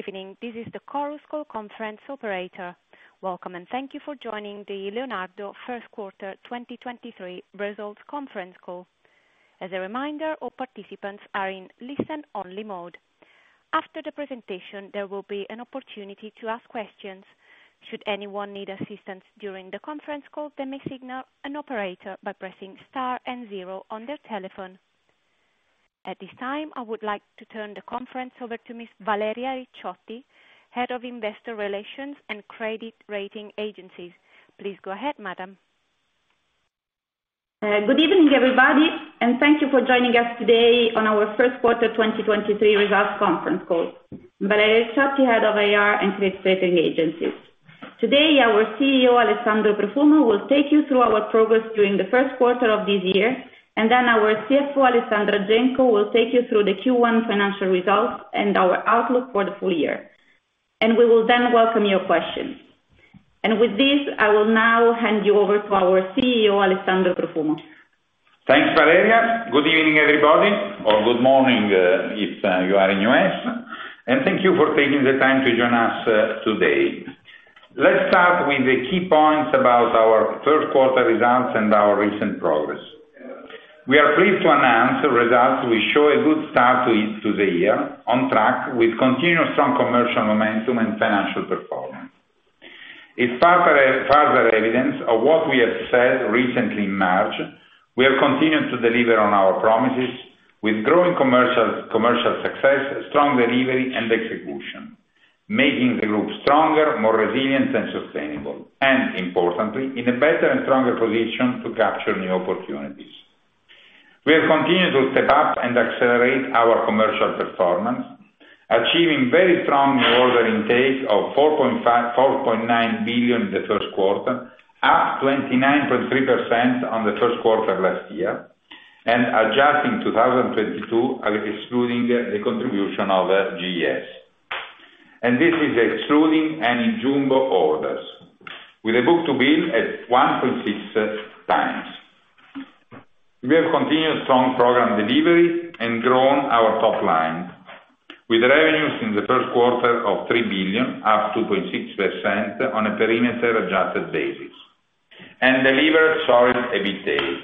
Good evening. This is the Chorus Call conference operator. Welcome, and thank you for joining the Leonardo first quarter 2023 results conference call. As a reminder, all participants are in listen-only mode. After the presentation, there will be an opportunity to ask questions. Should anyone need assistance during the conference call, they may signal an operator by pressing star and zero on their telephone. At this time, I would like to turn the conference over to Ms. Valeria Ricciotti, Head of Investor Relations and Credit Rating Agencies. Please go ahead, madam. Good evening, everybody. Thank you for joining us today on our first quarter 2023 results conference call. Valeria Ricciotti, Head of IR and Credit Rating Agencies. Today, our CEO, Alessandro Profumo, will take you through our progress during the first quarter of this year. Our CFO, Alessandra Genco, will take you through the Q1 financial results and our outlook for the full year. We will then welcome your questions. With this, I will now hand you over to our CEO, Alessandro Profumo. Thanks, Valeria. Good evening, everybody, or good morning, if you are in U.S. Thank you for taking the time to join us today. Let's start with the key points about our first quarter results and our recent progress. We are pleased to announce results we show a good start to the year, on track with continuous strong commercial momentum and financial performance. In further evidence of what we have said recently in March, we have continued to deliver on our promises with growing commercial success, strong delivery, and execution, making the group stronger, more resilient and sustainable, and importantly, in a better and stronger position to capture new opportunities. We have continued to step up and accelerate our commercial performance, achieving very strong new order intake of 4.9 billion in the first quarter, up 29.3% on the first quarter of last year, adjusting 2022, excluding the contribution of GES. This is excluding any jumbo orders. With a book-to-bill at 1.6 times. We have continued strong program delivery and grown our top line, with revenues in the first quarter of 3 billion, up 2.6% on a perimeter adjusted basis. Delivered solid EBITA,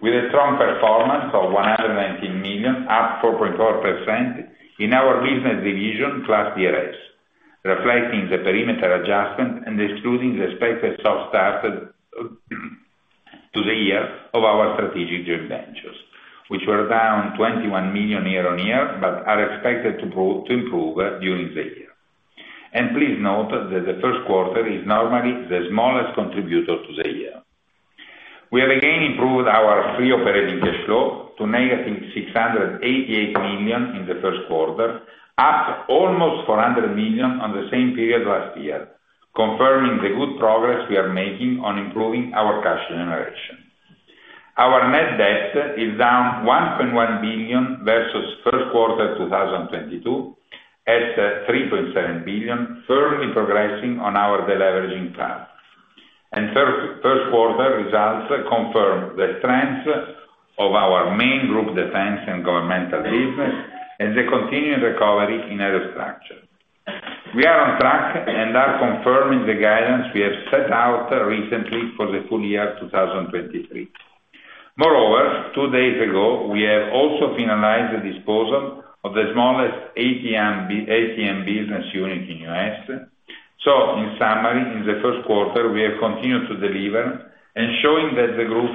with a strong performance of 119 million, up 4.4% in our business division class DRS, reflecting the perimeter adjustment and excluding the expected soft start to the year of our strategic joint ventures, which were down 21 million year-on-year, but are expected to improve during the year. Please note that the first quarter is normally the smallest contributor to the year. We have again improved our free operating cash flow to -688 million in the first quarter, up almost 400 million on the same period last year, confirming the good progress we are making on improving our cash generation. Our net debt is down 1.1 billion versus first quarter 2022, at 3.7 billion, firmly progressing on our deleveraging plan. First quarter results confirm the strength of our main group defense and governmental business and the continuing recovery in Aerostructure. We are on track and are confirming the guidance we have set out recently for the full year 2023. Moreover, two days ago, we have also finalized the disposal of the smallest ATM business unit in U.S. In summary, in the first quarter, we have continued to deliver and showing that the group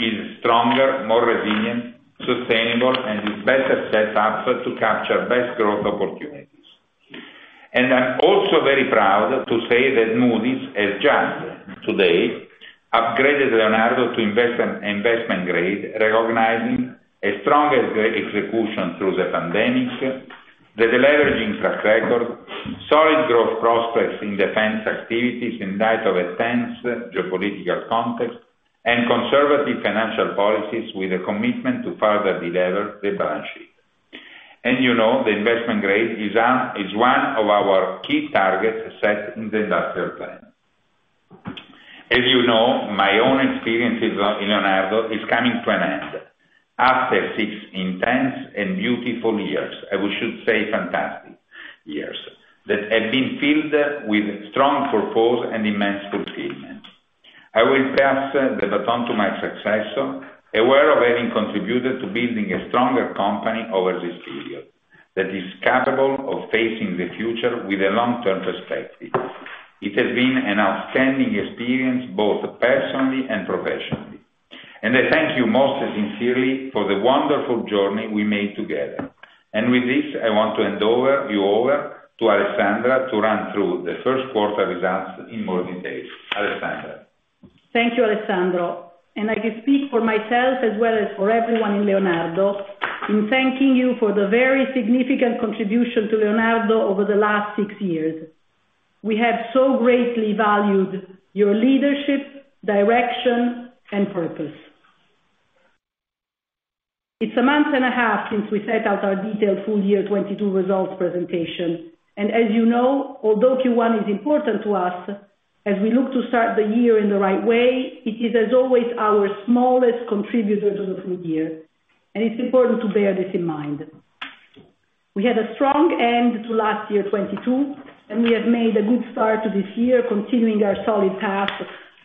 is stronger, more resilient, sustainable, and is better set up to capture best growth opportunities. I'm also very proud to say that Moody's has just today upgraded Leonardo to investment grade, recognizing a strong execution through the pandemic, the deleveraging track record, solid growth prospects in defense activities in light of a tense geopolitical context, and conservative financial policies with a commitment to further delever the balance sheet. You know, the investment grade is one of our key targets set in the industrial plan. As you know, my own experiences on, in Leonardo is coming to an end. After six intense and beautiful years, and we should say fantastic years, that have been filled with strong purpose and immense fulfillment. I will pass the baton to my successor, aware of having contributed to building a stronger company over these years that is capable of facing the future with a long-term perspective. It has been an outstanding experience, both personally and professionally. I thank you most sincerely for the wonderful journey we made together. With this, I want to hand you over to Alessandra to run through the first quarter results in more detail. Alessandra. Thank you, Alessandro. I can speak for myself as well as for everyone in Leonardo in thanking you for the very significant contribution to Leonardo over the last six years. We have so greatly valued your leadership, direction, and purpose. It's a month and a half since we set out our detailed full year 2022 results presentation. As you know, although Q1 is important to us, as we look to start the year in the right way, it is, as always, our smallest contributor to the full year. It's important to bear this in mind. We had a strong end to last year 2022, and we have made a good start to this year, continuing our solid path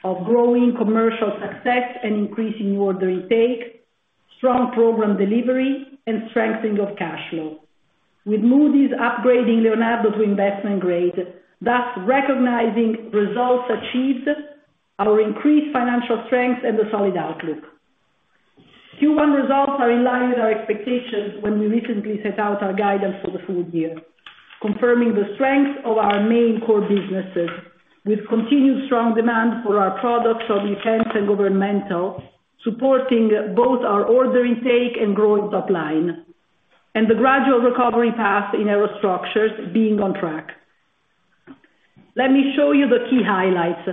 of growing commercial success and increasing new order intake, strong program delivery and strengthening of cash flow. With Moody's upgrading Leonardo to investment grade, thus recognizing results achieved, our increased financial strength and the solid outlook. Q1 results are in line with our expectations when we recently set out our guidance for the full year, confirming the strength of our main core businesses, with continued strong demand for our products from defense and governmental, supporting both our order intake and growing top line, and the gradual recovery path in Aerostructures being on track. Let me show you the key highlights.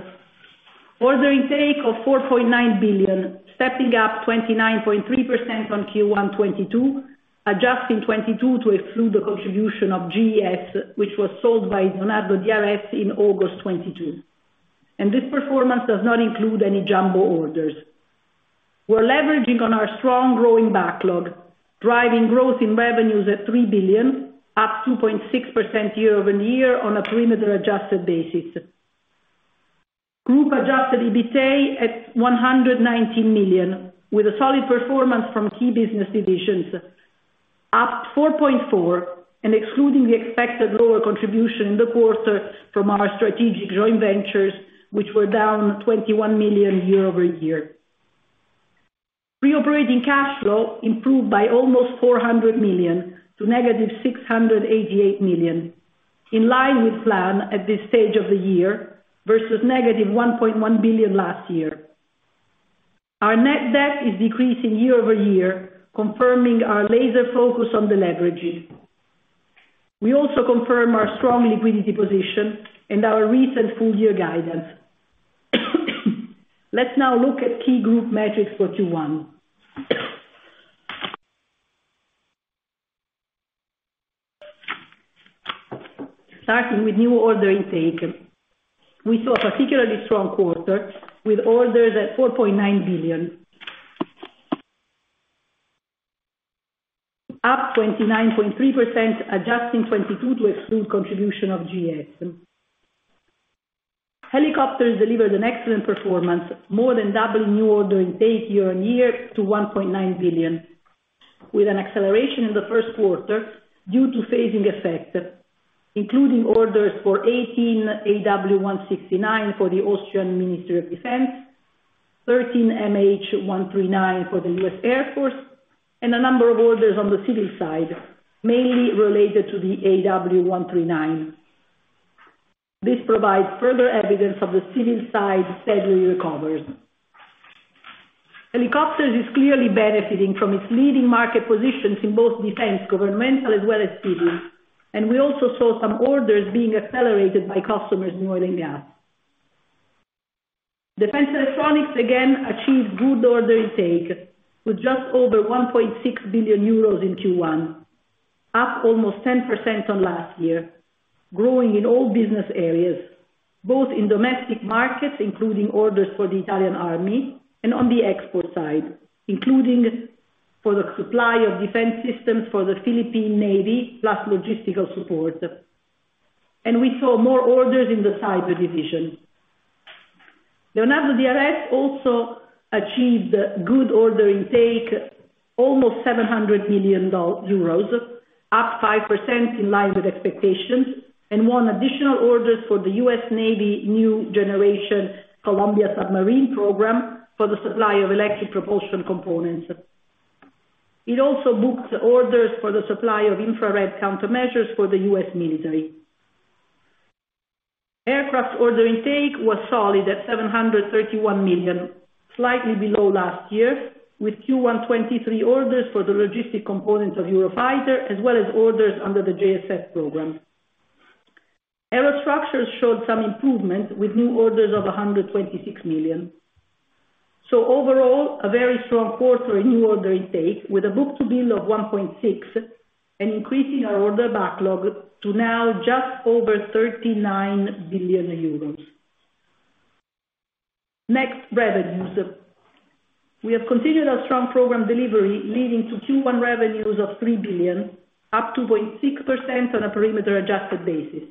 Order intake of 4.9 billion, stepping up 29.3% from Q1 2022, adjusting 2022 to exclude the contribution of GES, which was sold by Leonardo DRS in August 2022. This performance does not include any jumbo orders. We're leveraging on our strong growing backlog, driving growth in revenues at 3 billion, up 2.6% year-over-year on a perimeter adjusted basis. Group Adjusted EBITA at 119 million, with a solid performance from key business divisions, up 4.4%, excluding the expected lower contribution in the quarter from our strategic joint ventures, which were down 21 million euro year-over-year. Pre-operating cash flow improved by almost 400 million to -688 million, in line with plan at this stage of the year versus -1.1 billion last year. Our net debt is decreasing year-over-year, confirming our laser focus on the leverage. We also confirm our strong liquidity position and our recent full year guidance. Let's now look at key group metrics for Q1. Starting with new order intake. We saw a particularly strong quarter with orders at 4.9 billion. Up 29.3%, adjusting 2022 to exclude contribution of GES. Helicopters delivered an excellent performance, more than double new order intake year-over-year to 1.9 billion, with an acceleration in the first quarter due to phasing effect, including orders for 18 AW169 for the Austrian Ministry of Defense, 13 MH-139 for the U.S. Air Force, and a number of orders on the civil side, mainly related to the AW139. This provides further evidence of the civil side steady recovery. Helicopters is clearly benefiting from its leading market positions in both defense, governmental as well as civil, and we also saw some orders being accelerated by customers in oil and and gas. Defense electronics again achieved good order intake with just over 1.6 billion euros in Q1, up almost 10% on last year, growing in all business areas, both in domestic markets, including orders for the Italian Army and on the export side, including for the supply of defense systems for the Philippine Navy, plus logistical support. We saw more orders in the Cyber division. Leonardo DRS also achieved good order intake, almost 700 million euros, up 5% in line with expectations, and won additional orders for the U.S. Navy new generation Columbia-class submarine program for the supply of electric propulsion components. It also booked orders for the supply of infrared countermeasures for the U.S. military. Aircraft order intake was solid at 731 million, slightly below last year, with Q1 2023 orders for the logistic components of Eurofighter, as well as orders under the JSS program. Aerostructures showed some improvement with new orders of 126 million. Overall, a very strong quarter in new order intake with a book-to-bill of 1.6 and increasing our order backlog to now just over 39 billion euros. Revenues. We have continued our strong program delivery, leading to Q1 revenues of 3 billion, up 2.6% on a perimeter adjusted basis.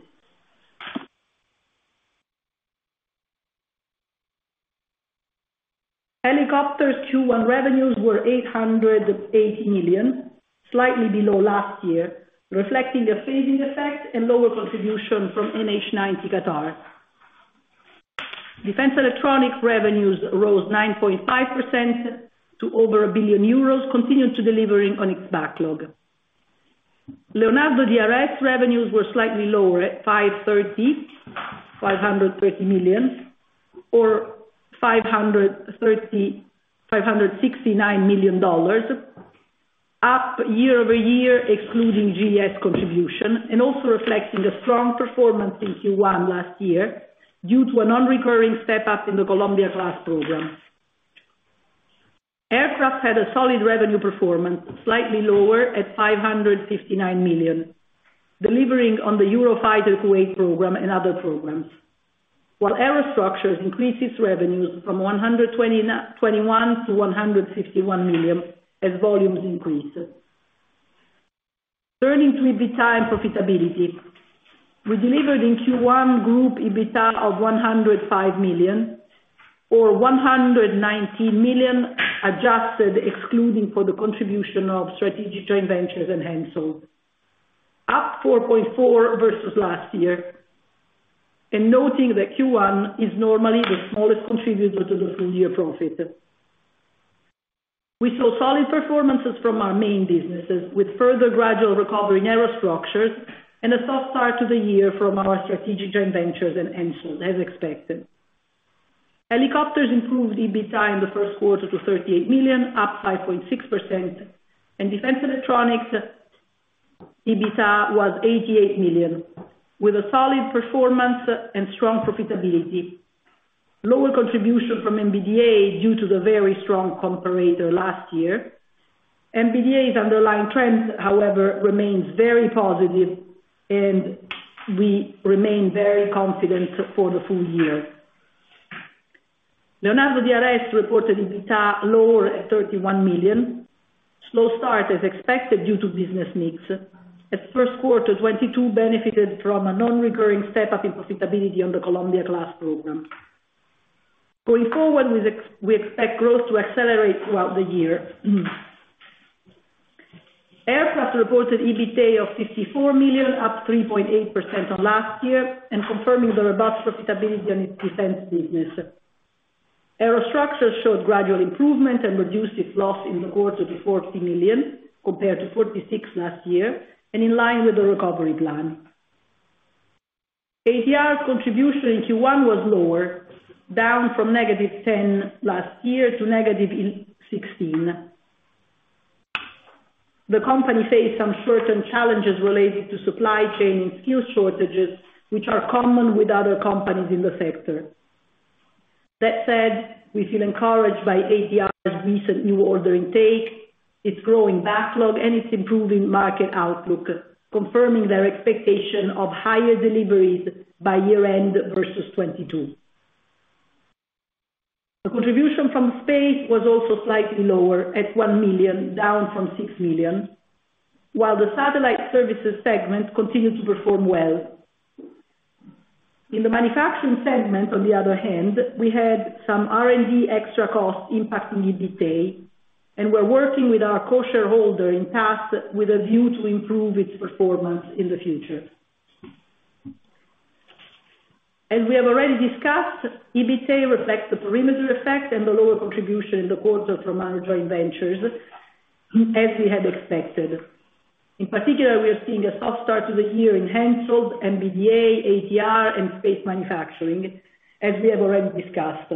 Helicopters Q1 revenues were 808 million, slightly below last year, reflecting a phasing effect and lower contribution from NH90 Qatar. Defense electronic revenues rose 9.5% to over 1 billion euros, continuing to delivering on its backlog. Leonardo DRS revenues were slightly lower at $569 million, up year-over-year, excluding GES contribution and also reflecting a strong performance in Q1 last year due to a non-recurring step-up in the Columbia-class program. Aircraft had a solid revenue performance, slightly lower at $559 million, delivering on the Eurofighter Kuwait program and other programs. Aerostructures increased its revenues from $121 million to $151 million as volumes increased. Turning to EBITDA and profitability. We delivered in Q1 group EBITDA of $105 million or $190 million adjusted excluding for the contribution of strategic joint ventures and HENSOLDT. Up 4.4% versus last year, and noting that Q1 is normally the smallest contributor to the full-year profit. We saw solid performances from our main businesses, with further gradual recovery in Aerostructures and a soft start to the year from our strategic joint ventures and HENSOLDT, as expected. Helicopters improved EBITDA in the first quarter to 38 million, up 5.6%, and Defense Electronics EBITDA was 88 million, with a solid performance and strong profitability. Lower contribution from MBDA due to the very strong comparator last year. MBDA's underlying trends, however, remains very positive and we remain very confident for the full year. Leonardo DRS reported EBITDA lower at 31 million. Slow start as expected due to business mix, as first quarter 2022 benefited from a non-recurring step-up in profitability on the Columbia-class program. Going forward, we expect growth to accelerate throughout the year. Aircraft reported EBITA of 54 million, up 3.8% on last year and confirming the robust profitability on its defense business. Aerostructures showed gradual improvement and reduced its loss in the quarter to 40 million, compared to 46 million last year and in line with the recovery plan. ATR's contribution in Q1 was lower, down from -10 million last year to -16 million. The company faced some short-term challenges related to supply chain and skill shortages, which are common with other companies in the sector. That said, we feel encouraged by ATR's recent new order intake, its growing backlog, and its improving market outlook, confirming their expectation of higher deliveries by year-end versus 2022. The contribution from space was also slightly lower at 1 million, down from 6 million, while the satellite services segment continued to perform well. In the manufacturing segment, on the other hand, we had some R&D extra costs impacting EBITA, and we're working with our core shareholder in Thales with a view to improve its performance in the future. As we have already discussed, EBITA reflects the perimeter effect and the lower contribution in the quarter from our joint ventures as we had expected. In particular, we are seeing a soft start to the year in HENSOLDT, MBDA, ATR and space manufacturing, as we have already discussed.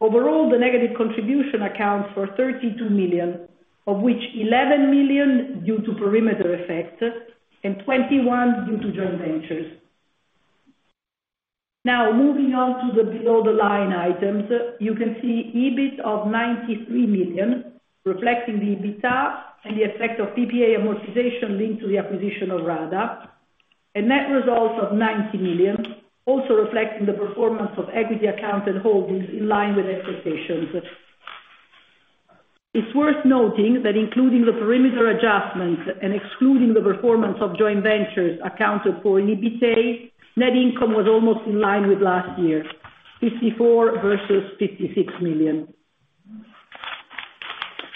Overall, the negative contribution accounts for 32 million, of which 11 million due to perimeter effect and 21 due to joint ventures. Moving on to the below the line items, you can see EBIT of 93 million, reflecting the EBITDA and the effect of PPA amortization linked to the acquisition of RADA. A net result of 90 million, also reflecting the performance of equity account and holdings in line with expectations. It's worth noting that including the perimeter adjustments and excluding the performance of joint ventures accounted for in EBITA, net income was almost in line with last year, 54 million versus 56 million.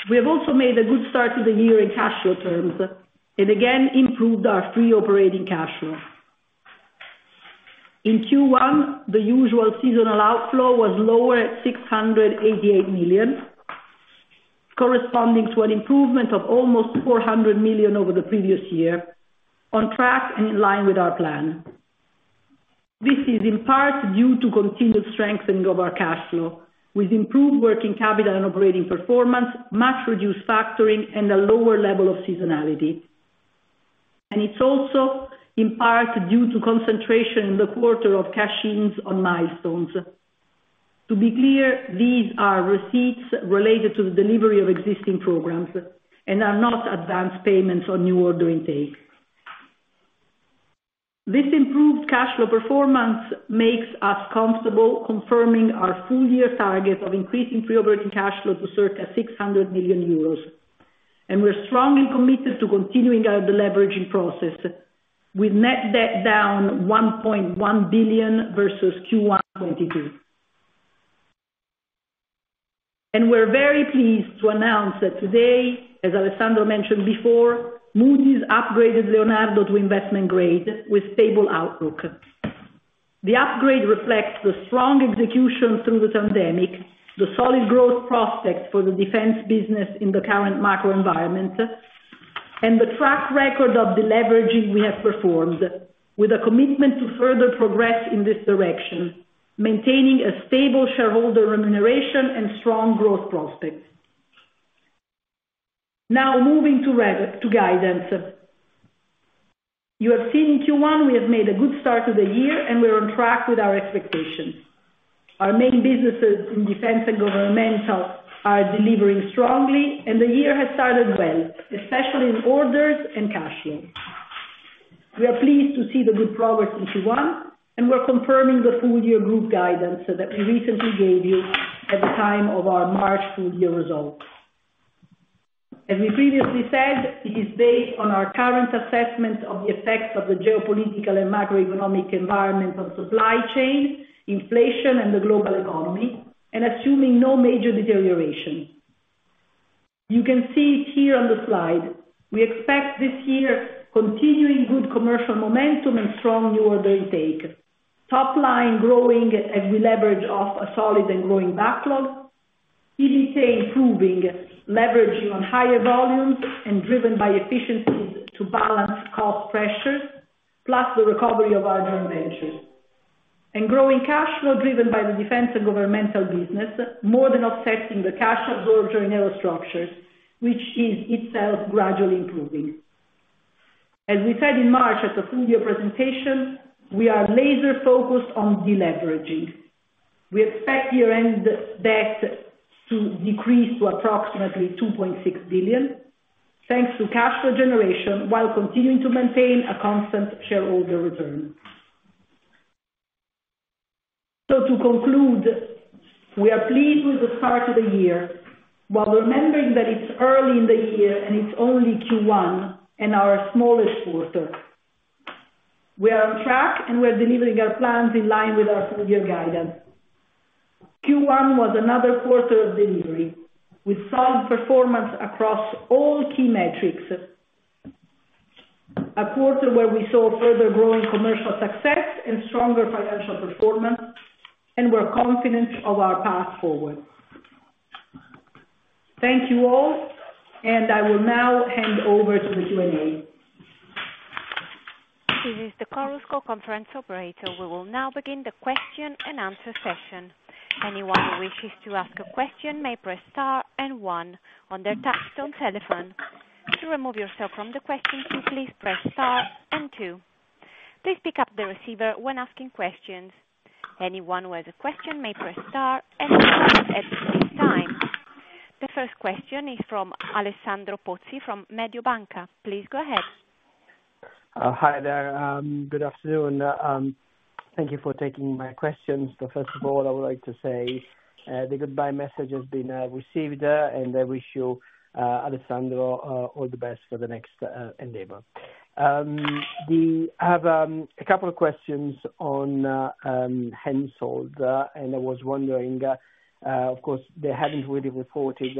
We have also made a good start to the year in cash flow terms and again improved our free operating cash flow. In Q1, the usual seasonal outflow was lower at 688 million, corresponding to an improvement of almost 400 million over the previous year, on track and in line with our plan. This is in part due to continued strengthening of our cash flow with improved working capital and operating performance, much reduced factoring and a lower level of seasonality. It's also in part due to concentration in the quarter of cash-ins on milestones. To be clear, these are receipts related to the delivery of existing programs and are not advanced payments on new order intake. This improved cash flow performance makes us comfortable confirming our full year target of increasing free operating cash flow to circa 600 million euros. We're strongly committed to continuing our deleveraging process with net debt down 1.1 billion versus Q1 2022. We're very pleased to announce that today, as Alessandro mentioned before, Moody's upgraded Leonardo to investment grade with stable outlook. The upgrade reflects the strong execution through the pandemic, the solid growth prospects for the defense business in the current macro environment, and the track record of deleveraging we have performed with a commitment to further progress in this direction, maintaining a stable shareholder remuneration and strong growth prospects. Now, moving to guidance. You have seen in Q1, we have made a good start to the year and we are on track with our expectations. Our main businesses in defense and governmental are delivering strongly, and the year has started well, especially in orders and cash flow. We are pleased to see the good progress in Q1, and we're confirming the full-year group guidance that we recently gave you at the time of our March full-year results. As we previously said, it is based on our current assessment of the effects of the geopolitical and macroeconomic environment on supply chain, inflation, and the global economy, and assuming no major deterioration. You can see it here on the slide. We expect this year continuing good commercial momentum and strong new order intake. Top line growing as we leverage off a solid and growing backlog. EBITA improving, leveraging on higher volumes and driven by efficiencies to balance cost pressures, plus the recovery of our joint ventures. Growing cash flow driven by the defense and governmental business, more than offsetting the cash absorption in Aerostructures, which is itself gradually improving. As we said in March at the full year presentation, we are laser focused on deleveraging. We expect year-end debt to decrease to approximately 2.6 billion, thanks to cash flow generation, while continuing to maintain a constant shareholder return. To conclude, we are pleased with the start of the year, while remembering that it's early in the year and it's only Q1 and our smallest quarter. We are on track, and we're delivering our plans in line with our full year guidance. Q1 was another quarter of delivery, with solid performance across all key metrics. A quarter where we saw further growing commercial success and stronger financial performance. We're confident of our path forward. Thank you all. I will now hand over to the Q&A. This is the Chorus Call conference operator. We will now begin the question and answer session. Anyone who wishes to ask a question may press star and one on their touch-tone telephone. To remove yourself from the question queue, please press star and two. Please pick up the receiver when asking questions. Anyone who has a question may press star and one at any time. The first question is from Alessandro Pozzi from Mediobanca. Please go ahead. Hi there. Good afternoon. Thank you for taking my questions. First of all, I would like to say, the goodbye message has been received, and I wish you, Alessandro, all the best for the next endeavor. We have a couple of questions on HENSOLDT, and I was wondering, of course, they haven't really reported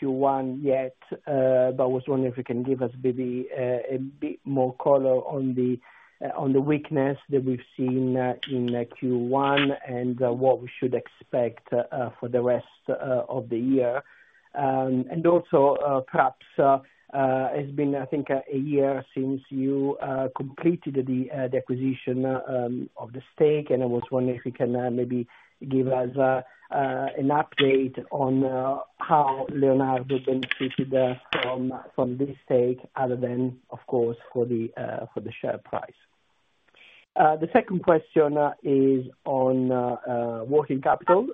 Q1 yet, but I was wondering if you can give us maybe a bit more color on the weakness that we've seen in Q1 and what we should expect for the rest of the year. Perhaps, it's been a year since you completed the acquisition of the stake, and I was wondering if you can give us an update on how Leonardo benefited from this stake other than, of course, for the share price. The second question is on working capital,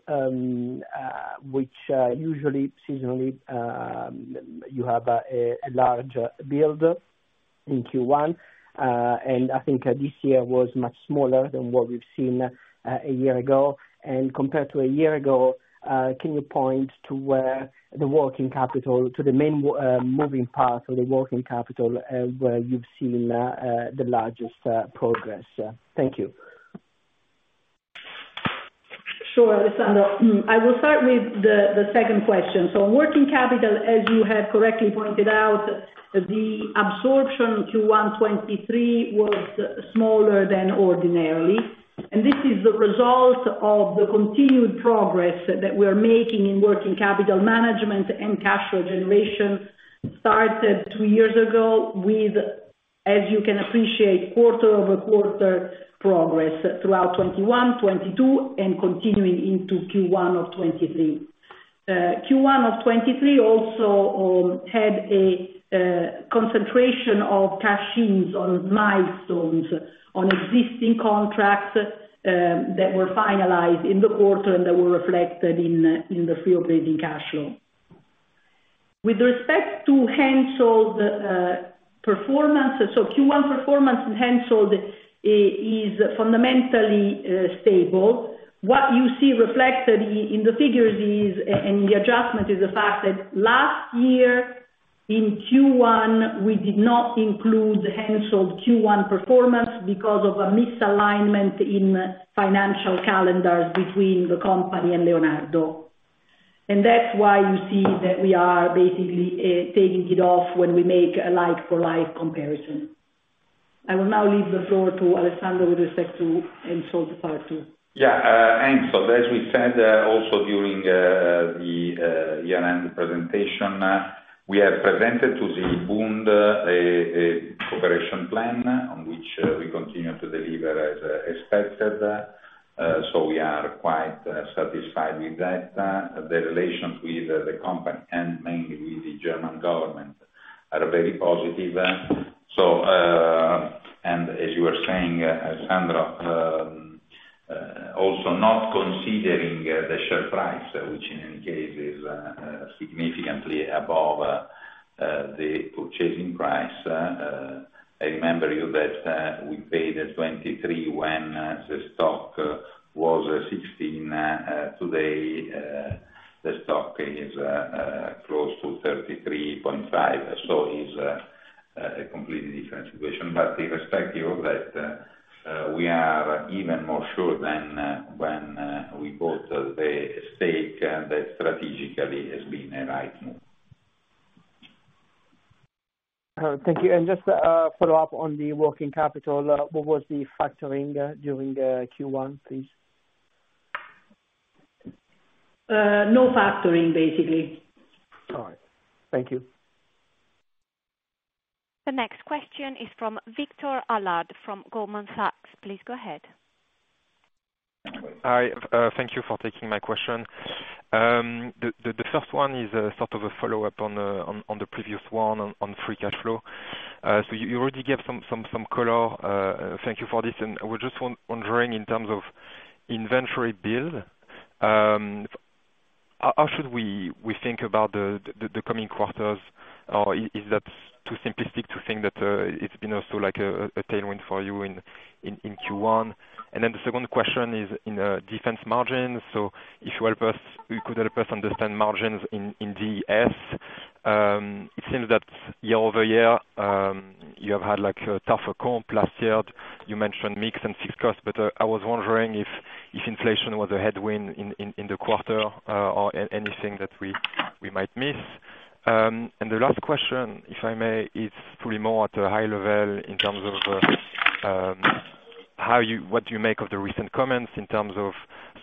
which usually seasonally you have a large build in Q1. This year was much smaller than what we've seen a year ago. Compared to a year ago, can you point to where the working capital to the main moving parts of the working capital, where you've seen the largest progress? Thank you. Sure, Alessandro. I will start with the second question. On working capital, as you have correctly pointed out, the absorption to 2023 was smaller than ordinarily. This is the result of the continued progress that we're making in working capital management and cash flow generation, started two years ago with, as you can appreciate, quarter-over-quarter progress throughout 2021, 2022 and continuing into Q1 of 2023. Q1 of 2023 also had a concentration of cash-ins on milestones on existing contracts that were finalized in the quarter and that were reflected in the free operating cash flow. With respect to HENSOLDT performance, Q1 performance in HENSOLDT is fundamentally stable. What you see reflected in the figures is, and the adjustment, is the fact that last year in Q1, we did not include HENSOLDT Q1 performance because of a misalignment in financial calendars between the company and Leonardo. That's why you see that we are basically taking it off when we make a like for like comparison. I will now leave the floor to Alessandro with respect to HENSOLDT part two. Yeah. HENSOLDT, as we said, also during the year-end presentation, we have presented to the Bund a cooperation plan on which we continue to deliver as expected. We are quite satisfied with that. The relations with the company and mainly with the German government are very positive. As you were saying, Sandra, also not considering the share price, which in any case is significantly above the purchasing price. I remember you that we paid at 23 when the stock was 16. Today the stock is close to 33.5. Is a completely different situation. Irrespective of that, we are even more sure than when we bought the stake, and that strategically has been a right move. Thank you. Just a follow-up on the working capital. What was the factoring during the Q1, please? No factoring, basically. All right. Thank you. The next question is from Victor Allard from Goldman Sachs. Please go ahead. Hi. Thank you for taking my question. The first one is sort of a follow-up on the previous one on free cash flow. You already gave some color. Thank you for this. We're just wondering in terms of inventory build, how should we think about the coming quarters? Is that too simplistic to think that it's been also like a tailwind for you in Q1? The second question is in defense margins. If you could help us understand margins in DES. It seems that year-over-year you have had like a tougher comp last year. You mentioned mix and fixed cost, I was wondering if inflation was a headwind in the quarter or anything that we might miss. The last question, if I may, is probably more at a high level in terms of how you what do you make of the recent comments in terms of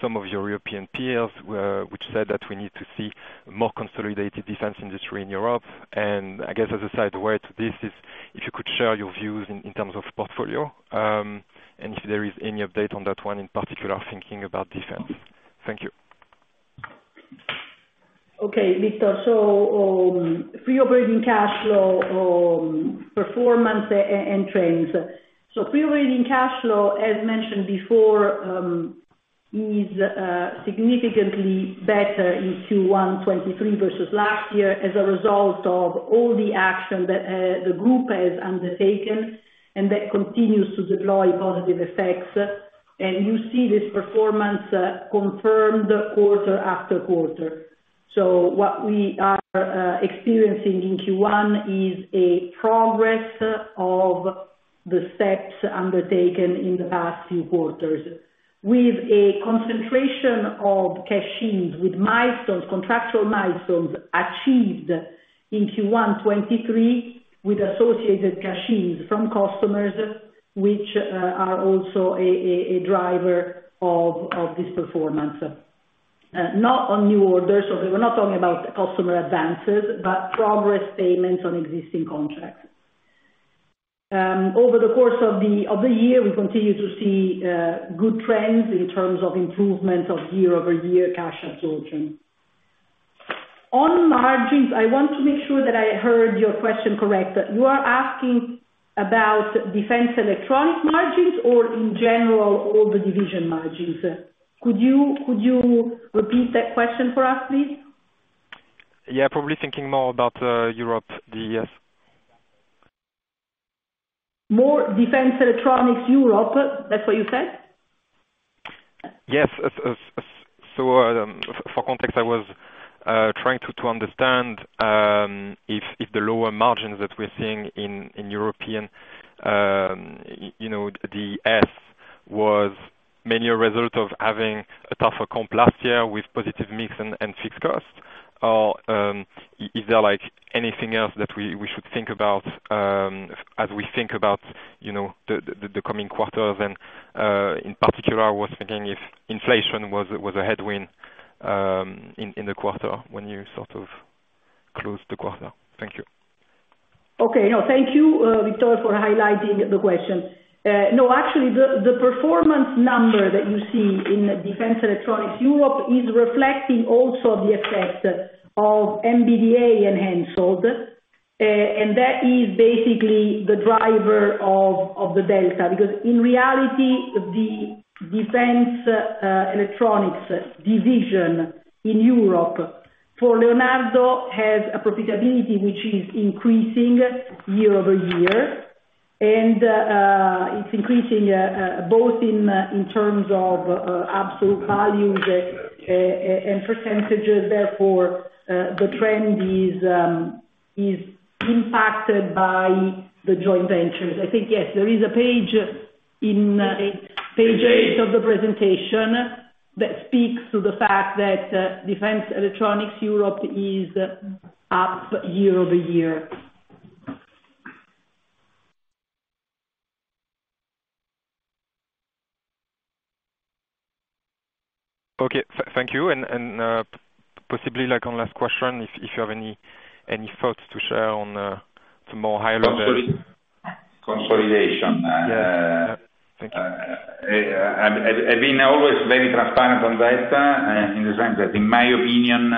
some of your European peers, which said that we need to see more consolidated defense industry in Europe? I guess as a side, where to this is if you could share your views in terms of portfolio, and if there is any update on that one in particular, thinking about defense. Thank you. Victor. Free operating cash flow and trends. Free operating cash flow, as mentioned before, is significantly better in Q1 2023 versus last year as a result of all the action that the group has undertaken and that continues to deploy positive effects. You see this performance confirmed quarter after quarter. What we are experiencing in Q1 is a progress of the steps undertaken in the past few quarters. With a concentration of cash-ins, with milestones, contractual milestones achieved in Q1 2023 with associated cash-ins from customers, which are also a driver of this performance. Not on new orders. We're not talking about customer advances, but progress payments on existing contracts. Over the course of the year, we continue to see good trends in terms of improvement of year-over-year cash absorption. On margins, I want to make sure that I heard your question correct. You are asking about defense electronic margins or in general, all the division margins? Could you repeat that question for us, please? Yeah, probably thinking more about, Europe DES. More defense electronics Europe? That's what you said? Yes. So, for context, I was trying to understand if the lower margins that we're seeing in European, you know, DES was mainly a result of having a tougher comp last year with positive mix and fixed costs. Is there like anything else that we should think about as we think about, you know, the coming quarters? In particular, I was thinking if inflation was a headwind in the quarter when you sort of closed the quarter. Thank you. Okay. Thank you, Victor, for highlighting the question. Actually, the performance number that you see in Defense Electronics Europe is reflecting also the effect of MBDA and HENSOLDT. That is basically the driver of the delta, because in reality, the defense electronics division in Europe for Leonardo has a profitability which is increasing year-over-year. It's increasing both in terms of absolute value and percentages. Therefore, the trend is impacted by the joint ventures. I think, yes, there is a page in page 8 of the presentation that speaks to the fact that Defense Electronics Europe is up year-over-year. Okay. Thank you. Possibly like one last question, if you have any thoughts to share on, some more high level. Consolidation. I've been always very transparent on that, in the sense that in my opinion,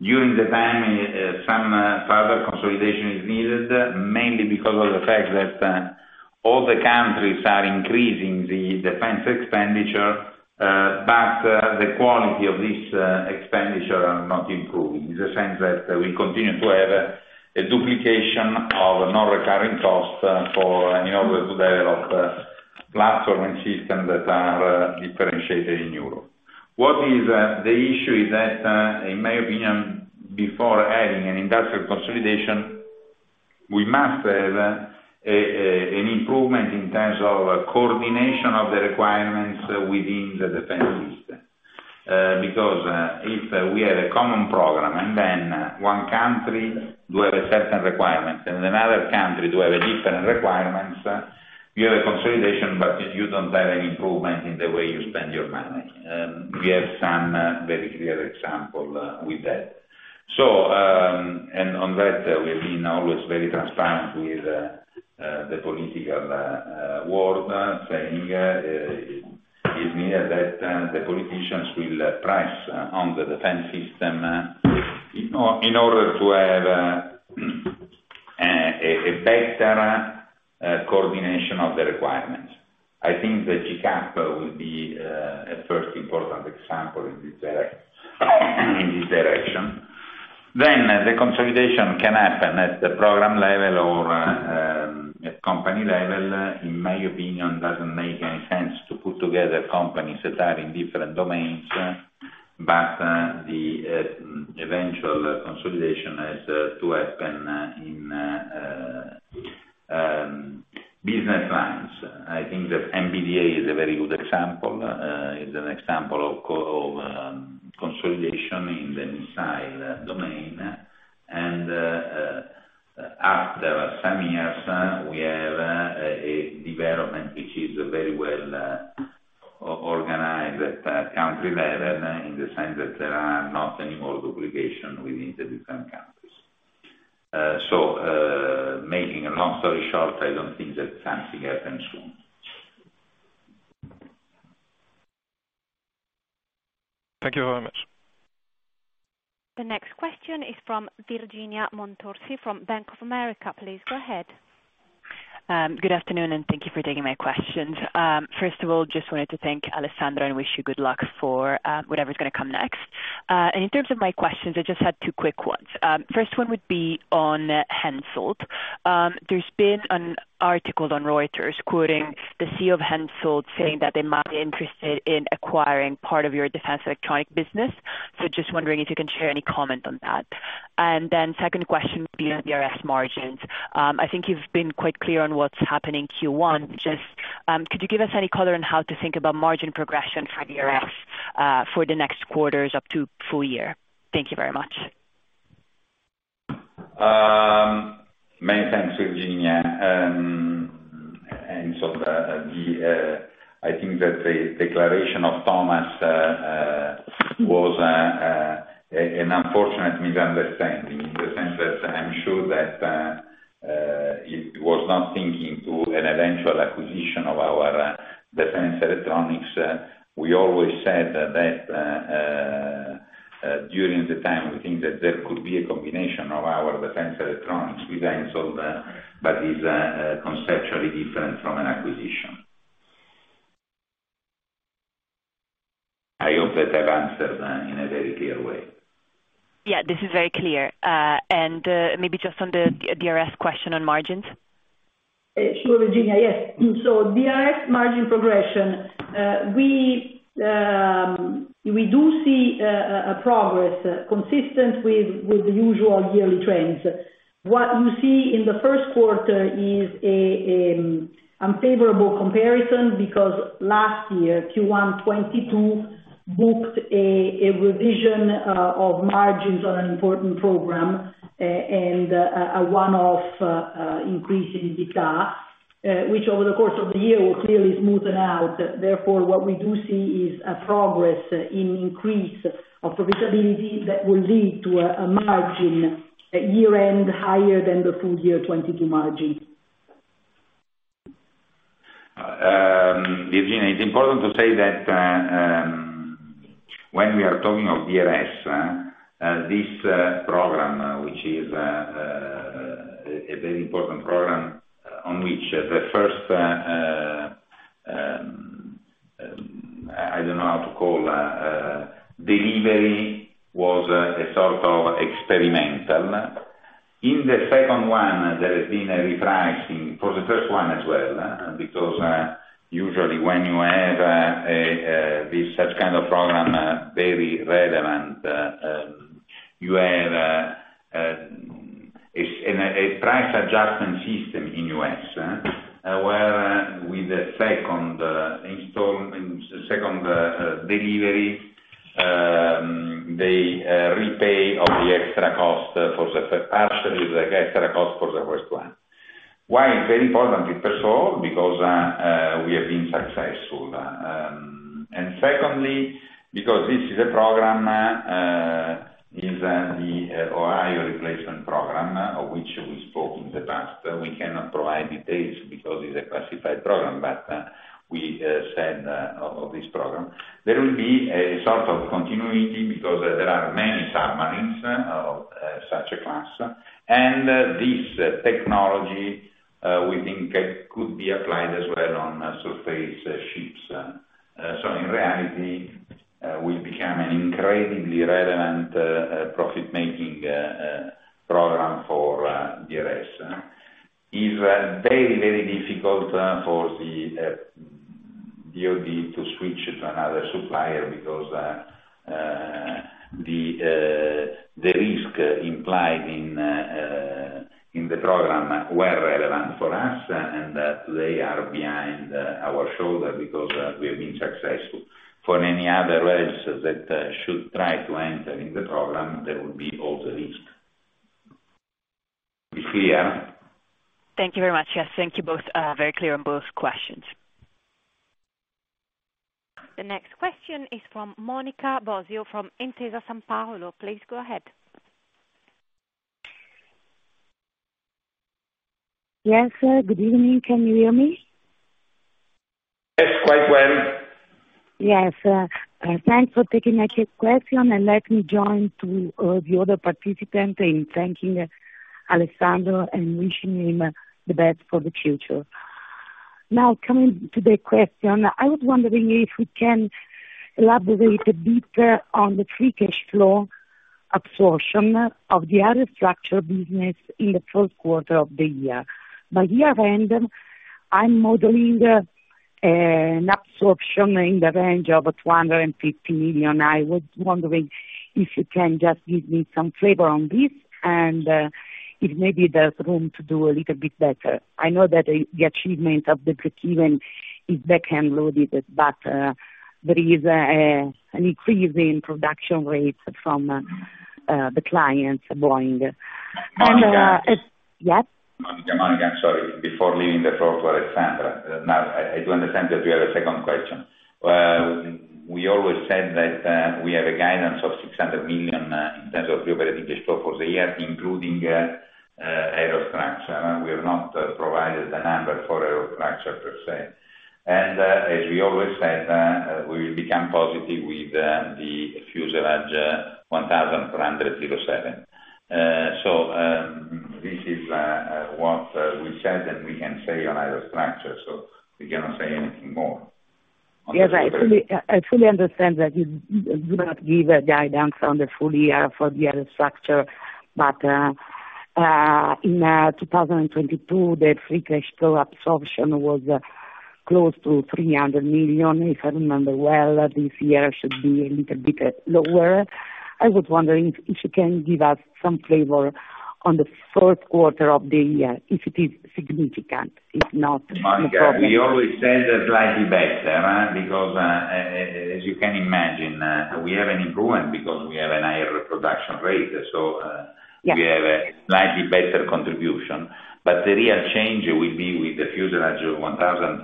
during the time, some further consolidation is needed, mainly because of the fact that all the countries are increasing the defense expenditure. The quality of this expenditure are not improving. In the sense that we continue to have a duplication of non-recurring costs, for, in order to develop platform and systems that are differentiated in Europe. The issue is that, in my opinion, before adding an industrial consolidation, we must have an improvement in terms of coordination of the requirements within the defense system. If we have a common program and then one country do have a certain requirement and another country do have a different requirement, you have a consolidation, but you don't have any improvement in the way you spend your money. We have some very clear example with that. We've been always very transparent with the political world, saying, give me that, the politicians will press on the defense system in order to have a better coordination of the requirements. I think the GCAP will be a first important example in this direction. The consolidation can happen at the program level or at company level. In my opinion, doesn't make any sense to put together companies that are in different domains, the eventual consolidation has to happen in business lines. I think that MBDA is a very good example. It's an example of consolidation in the missile domain. After some years, we have a development which is very well organized at country level in the sense that there are not any more duplication within the different countries. Making a long story short, I don't think that something happens soon. Thank you very much. The next question is from Virginia Montorsi from Bank of America. Please go ahead. Good afternoon, thank you for taking my questions. First of all, just wanted to thank Alessandro and wish you good luck for whatever's gonna come next. In terms of my questions, I just had two quick ones. First one would be on HENSOLDT. There's been an article on Reuters quoting the CEO of HENSOLDT saying that they might be interested in acquiring part of your defense electronic business. Just wondering if you can share any comment on that. Second question would be on DRS margins. I think you've been quite clear on what's happening Q1. Just, could you give us any color on how to think about margin progression for DRS for the next quarters up to full year? Thank you very much. Many thanks, Virginia. I think that the declaration of Thomas was an unfortunate misunderstanding in the sense that I'm sure that he was not thinking to an eventual acquisition of our defense electronics. We always said that during the time, we think that there could be a combination of our defense electronics with HENSOLDT, but is conceptually different from an acquisition. I hope that I've answered in a very clear way. Yeah, this is very clear. Maybe just on the DRS question on margins. Sure, Virginia. Yes. DRS margin progression, we do see a progress consistent with the usual yearly trends. What you see in the first quarter is an unfavorable comparison because last year, Q1 2022 booked a revision of margins on an important program and a one-off increase in the car, which over the course of the year will clearly smoothen out. What we do see is a progress in increase of profitability that will lead to a margin year-end higher than the full year 2022 margin. Virginia, it's important to say that when we are talking of DRS, this program, which is a very important program on which the first, I don't know how to call, delivery was a sort of experimental. In the second one, there has been a repricing for the first one as well, because usually when you have this such kind of program, very relevant, you have a price adjustment system in U.S., where with the second installment, second delivery, they repay all the extra cost for the first partially, the extra cost for the first one. Why it's very important, first of all, because we have been successful. Secondly, because this is a program, is the Ohio Replacement Program of which we spoke in the past. We cannot provide details because it's a classified program, but we said of this program. There will be a sort of continuity because there are many submarines of such a class. This technology we think could be applied as well on surface ships. In reality, we become an incredibly relevant profit-making program for DRS. Is very, very difficult for the DOD to switch to another supplier because the risk implied in the program were relevant for us, and they are behind our shoulder because we have been successful. For any other ways that should try to enter in the program, there will be all the risk. Be clear? Thank you very much. Yes, thank you both. Very clear on both questions. The next question is from Monica Bosio, from Intesa Sanpaolo. Please go ahead. Yes, good evening. Can you hear me? Yes, quite well. Yes. Thanks for taking my question, and let me join to the other participant in thanking Alessandro and wishing him the best for the future. Coming to the question, I was wondering if we can elaborate a bit on the free cash flow absorption of the Aerostructures business in the first quarter of the year. By year-end, I'm modeling an absorption in the range of 250 million. I was wondering if you can just give me some flavor on this and if maybe there's room to do a little bit better. I know that the achievement is back-end loaded, there is an increase in production rates from the clients buying. Monica. Yes. Monica, I'm sorry. Before leaving the floor to Alessandra. I do understand that you have a second question. We always said that we have a guidance of 600 million in terms of free operating cash flow for the year, including Aerostructures. We have not provided the number for Aerostructures per se. As we always said, we will become positive with the fuselage 1407. This is what we said, and we can say on Aerostructures, so we cannot say anything more. Yes, I fully understand that you do not give a guidance on the full year for the Aerostructures. In 2022, the free cash flow absorption was close to 300 million, if I remember well. This year should be a little bit lower. I was wondering if you can give us some flavor on the first quarter of the year, if it is significant. If not, no problem. Monica, we always said that slightly better, because as you can imagine, we have an improvement because we have a higher production rate. Yes. We have a slightly better contribution. The real change will be with the fuselage 1407.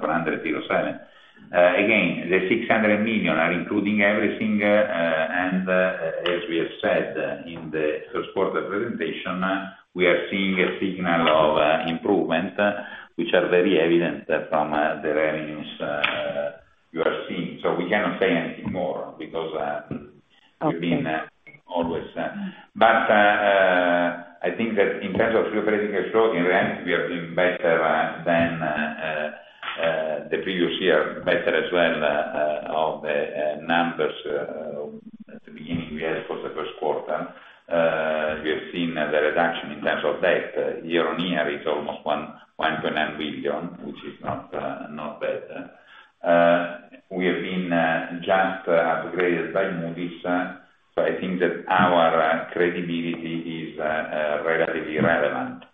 Again, the 600 million are including everything, as we have said in the first quarter presentation, we are seeing a signal of improvement, which are very evident from the revenues you are seeing. We cannot say anything more because we've been always. I think that in terms of free operating cash flow, in reality, we are doing better than the previous year, better as well of the numbers at the beginning we had for the first quarter. We have seen the reduction in terms of debt. Year-over-year, it's almost 1.9 billion, which is not bad. We have been just upgraded by Moody's. I think that our credibility is relatively relevant.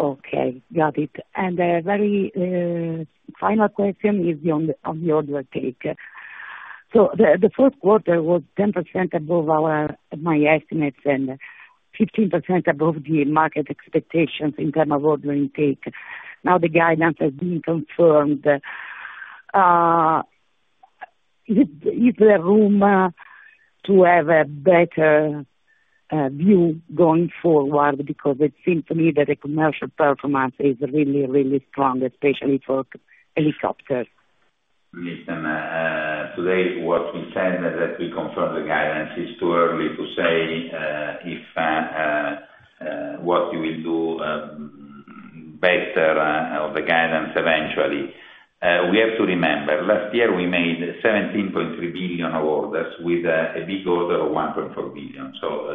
Okay. Got it. A very, final question is on the order take. The first quarter was 10% above our, my estimates and 15% above the market expectations in term of order intake. The guidance has been confirmed. Is there room, to have a better, view going forward? It seems to me that the commercial performance is really, really strong, especially for helicopters. Today what we said is that we confirm the guidance. It's too early to say if what you will do better of the guidance eventually. We have to remember, last year we made 17.3 billion of orders with a big order of 1.4 billion.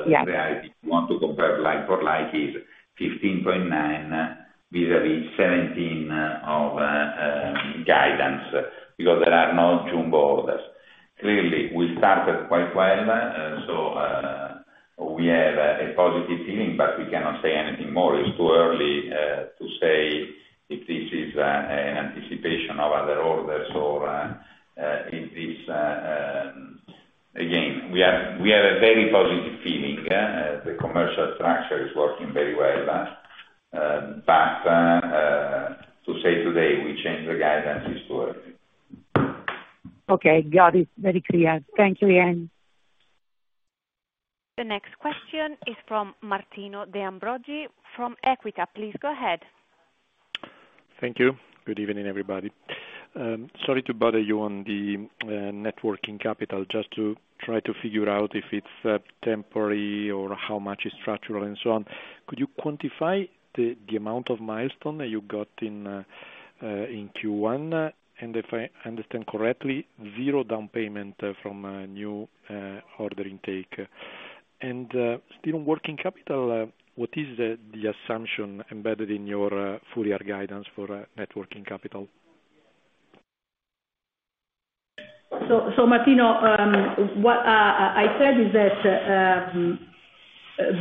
Yeah. In reality, if you want to compare like for like is 15.9 vis-a-vis 17 of guidance because there are no jumbo orders. Clearly, we started quite well. We have a positive feeling, but we cannot say anything more. It's too early to say if this is an anticipation of other orders or if this Again, we have a very positive feeling. The commercial structure is working very well. To say today we change the guidance is too early. Okay. Got it. Very clear. Thank you again. The next question is from Martino De Ambroggi from Equita. Please go ahead. Thank you. Good evening, everybody. Sorry to bother you on the net working capital, just to try to figure out if it's temporary or how much is structural and so on. Could you quantify the amount of milestone that you got in Q1? If I understand correctly, 0 down payment from a new order intake. Still on working capital, what is the assumption embedded in your full year guidance for net working capital? Martino, what I said is that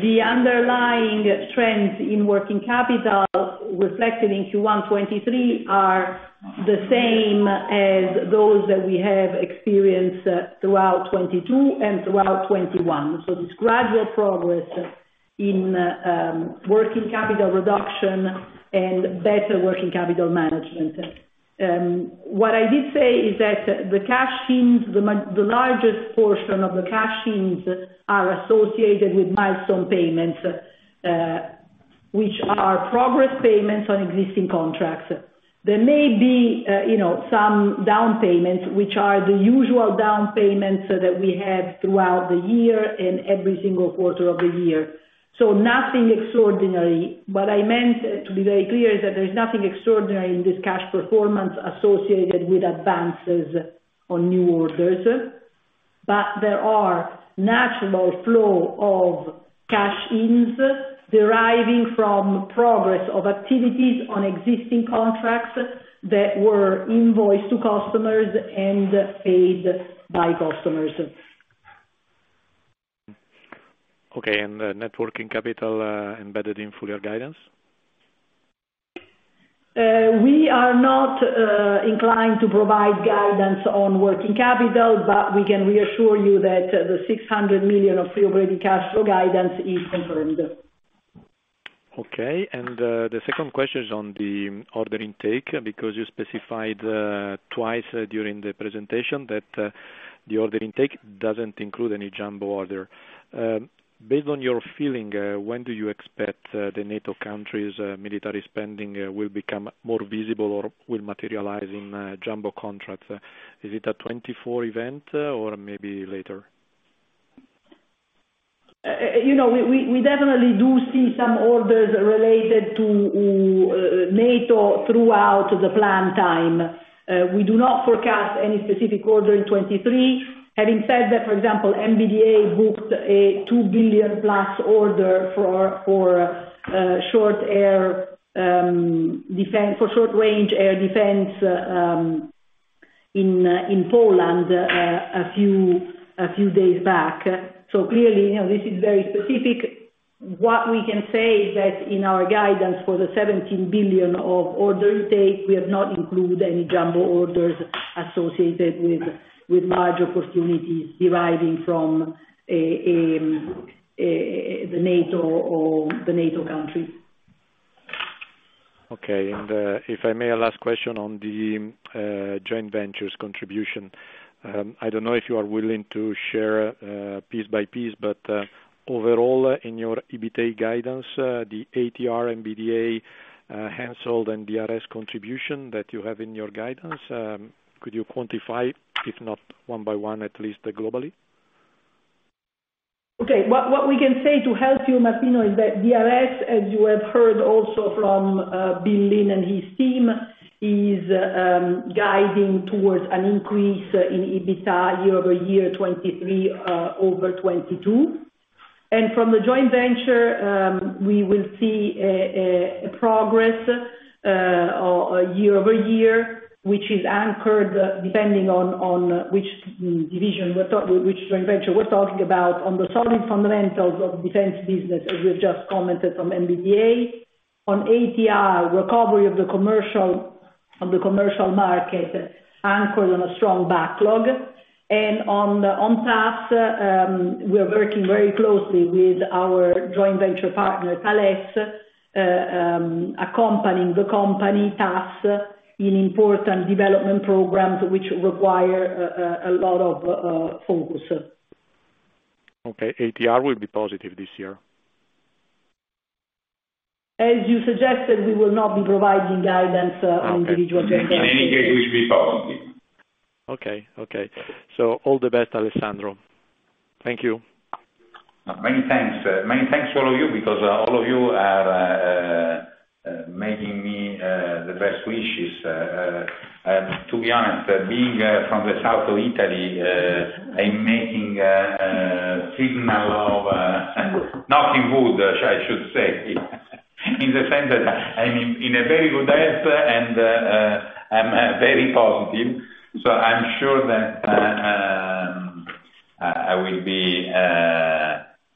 the underlying trends in working capital reflected in Q1 2023 are the same as those that we have experienced throughout 2022 and throughout 2021. This gradual progress in working capital reduction and better working capital management. What I did say is that the cash ins, the largest portion of the cash ins are associated with milestone payments, which are progress payments on existing contracts. There may be, you know, some down payments, which are the usual down payments that we have throughout the year and every single quarter of the year. Nothing extraordinary. What I meant, to be very clear, is that there's nothing extraordinary in this cash performance associated with advances on new orders. There are natural flow of cash-ins deriving from progress of activities on existing contracts that were invoiced to customers and paid by customers. Okay. Networking capital, embedded in full year guidance? We are not inclined to provide guidance on working capital, but we can reassure you that the 600 million of free operating cash flow guidance is confirmed. Okay. The second question is on the order intake, because you specified twice during the presentation that the order intake doesn't include any jumbo order. Based on your feeling, when do you expect the NATO countries military spending will become more visible or will materialize in jumbo contracts? Is it a 24 event or maybe later? You know, we definitely do see some orders related to NATO throughout the plan time. We do not forecast any specific order in 2023. Having said that, for example, MBDA booked a EUR 2 billion+ order for short range air defense in Poland a few days back. Clearly, you know, this is very specific. What we can say is that in our guidance for the 17 billion of order intake, we have not included any jumbo orders associated with large opportunities deriving from a NATO or the NATO countries. Okay. If I may, a last question on the joint ventures contribution. I don't know if you are willing to share piece by piece, but overall in your EBITA guidance, the ATR, MBDA, HENSOLDT and DRS contribution that you have in your guidance, could you quantify, if not one by one, at least globally? Okay. What we can say to help you, Martino, is that DRS, as you have heard also from Bill Lynn and his team, is guiding towards an increase in EBITA year-over-year 23 over 22. From the joint venture, we will see a progress year-over-year, which is anchored depending on which joint venture we're talking about on the solid fundamentals of defense business, as we've just commented from MBDA. On ATR, recovery of the commercial market anchored on a strong backlog. On TAS, we're working very closely with our joint venture partner, Thales, accompanying the company TAS in important development programs which require a lot of focus. Okay. ATR will be positive this year. As you suggested, we will not be providing guidance on individual joint ventures. In any case, we should be positive. Okay. Okay. All the best, Alessandro. Thank you. Many thanks. Many thanks to all of you, because all of you are making me the best wishes. To be honest, being from the south of Italy, I'm making a signal of nothing good, I should say in the sense that I'm in a very good health and I'm very positive. I'm sure that I will be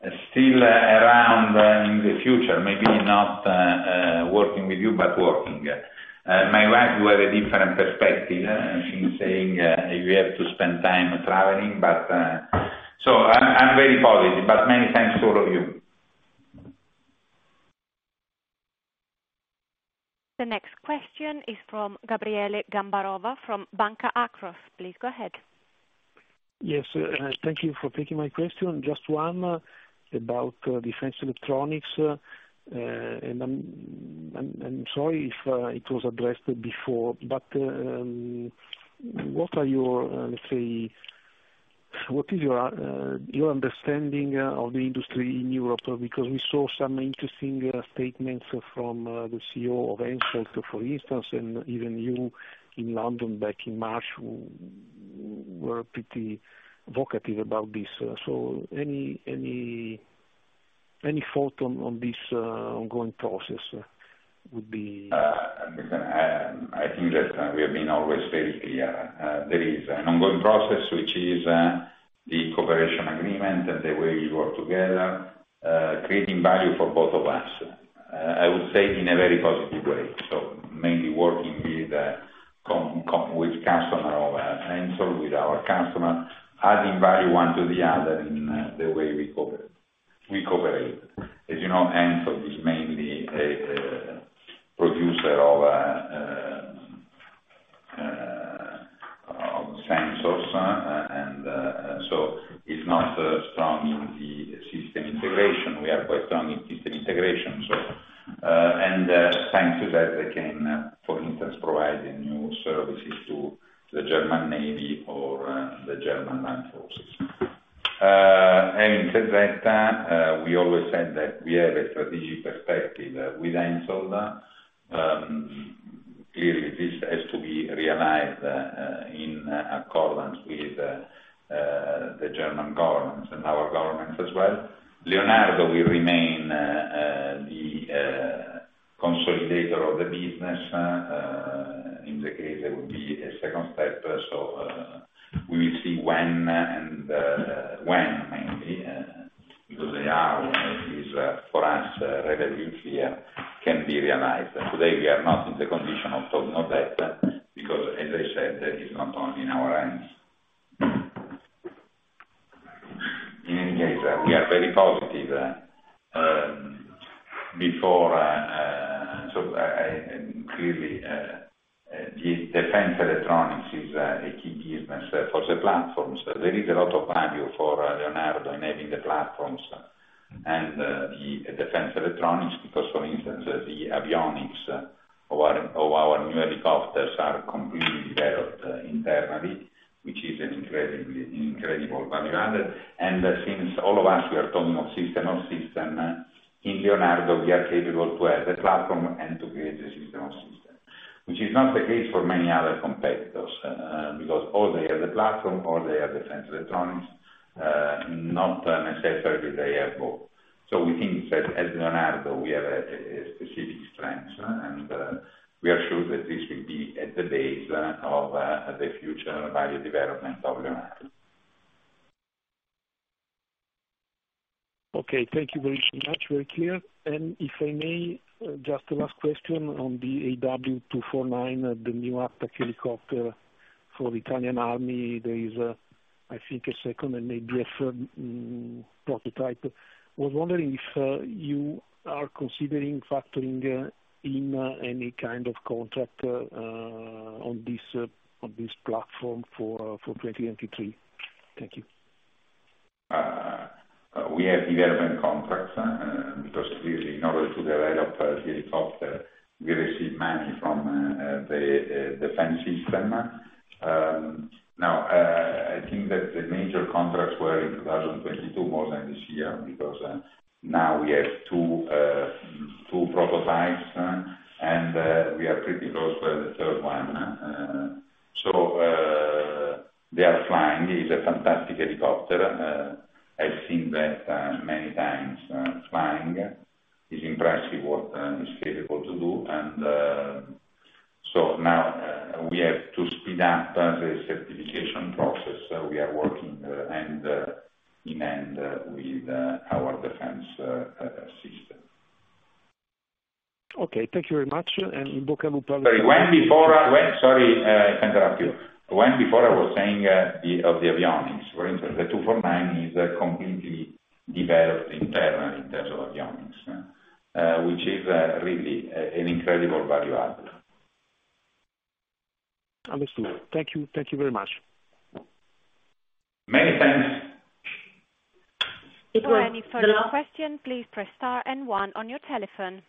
The future, maybe not working with you but working. My wife who have a different perspective, she's saying, you have to spend time traveling, but so I'm very positive. Many thanks to all of you. The next question is from Gabriele Gambarova from Banca Akros. Please go ahead. Yes, thank you for taking my question. Just one about defense electronics. And I'm sorry if it was addressed before, but what are your, let's say, what is your understanding of the industry in Europe? Because we saw some interesting statements from the CEO of HENSOLDT, for instance, and even you in London back in March were pretty vocative about this. Any thought on this ongoing process would be. I think that we have been always very clear. There is an ongoing process, which is the cooperation agreement and the way you work together, creating value for both of us, I would say in a very positive way. Mainly working with the customer of HENSOLDT with our customer, adding value one to the other in the way we cooperate. As you know, HENSOLDT is mainly a producer of sensors, and so it's not strong in the system integration. We are quite strong in system integration. Thanks to that, they can, for instance, provide new services to the German Navy or the German Land Forces. Having said that, we always said that we have a strategic perspective with HENSOLDT. Clearly this has to be realized in accordance with the German governments and our governments as well. Leonardo will remain the consolidator of the business in the case there will be a second step. We will see when and when mainly because is for us, revenue here can be realized. Today, we are not in the condition of talking of that because as I said, that is not only in our hands. In any case, we are very positive before I clearly the defense electronics is a key business for the platforms. There is a lot of value for Leonardo in having the platforms and the defense electronics, because, for instance, the avionics of our new helicopters are completely developed internally, which is an incredibly incredible value added. Since all of us we are talking of system, of system, in Leonardo, we are capable to have the platform and to create the system of system. Which is not the case for many other competitors, because or they have the platform or they have defense electronics. Not necessarily they have both. We think that as Leonardo, we have a specific strength, and we are sure that this will be at the base of the future value development of Leonardo. Okay. Thank you very much. Very clear. If I may, just a last question on the AW249, the new attack helicopter for the Italian Army. There is, I think a second and maybe a third prototype. I was wondering if you are considering factoring in any kind of contract on this on this platform for for 2023. Thank you. We have development contracts because clearly in order to develop a helicopter, we receive money from the defense system. Now, I think that the major contracts were in 2022 more than this year, because now we have two prototypes, and we are pretty close for the 3rd one. They are flying. It's a fantastic helicopter. I've seen that many times flying. It's impressive what it's capable to do. Now, we have to speed up the certification process. We are working hand in hand with our defense system. Okay. Thank you very much. Sorry. Sorry to interrupt you. When before I was saying of the avionics, for instance, the AW249 is completely developed internal, in terms of avionics, which is really an incredible value add. Understood. Thank you. Thank you very much. Many thanks. For any further questions, please press star and one on your telephone.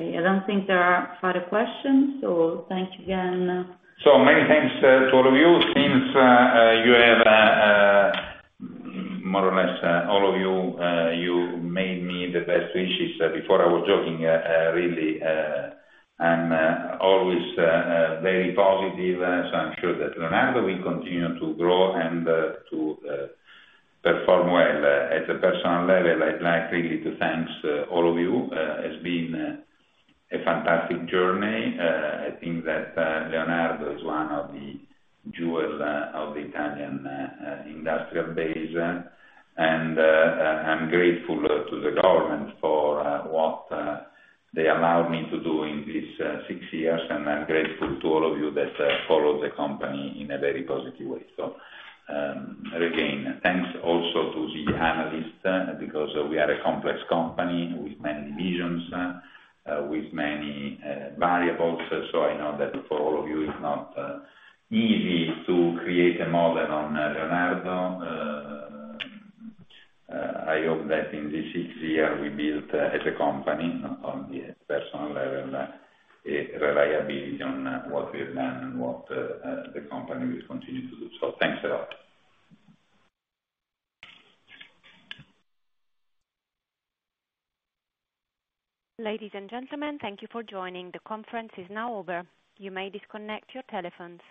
I don't think there are further questions, so thank you again. Many thanks to all of you since you have more or less all of you made me the best wishes. Before I was joking, really, I'm always very positive, so I'm sure that Leonardo will continue to grow and to perform well. At a personal level, I'd like really to thanks all of you. It's been a fantastic journey. I think that Leonardo is one of the jewel of the Italian industrial base. I'm grateful to the government for what they allowed me to do in this six years. I'm grateful to all of you that follow the company in a very positive way. Again, thanks also to the analysts, because we are a complex company with many divisions, with many variables. I know that for all of you, it's not easy to create a model on Leonardo. I hope that in these six years, we built as a company, not on the personal level, a reliability on what we have done and what the company will continue to do. Thanks a lot. Ladies and gentlemen, thank you for joining. The conference is now over. You may disconnect your telephones.